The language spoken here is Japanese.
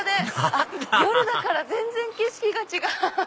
なんだ夜だから全然景色が違う！